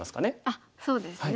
あっそうですね。